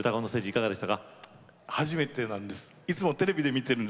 いかがでした？